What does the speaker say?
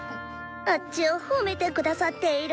あッチを褒めて下さっている。